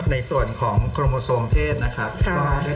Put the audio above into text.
ในส่วนของโครโมโซมเพศนะครับ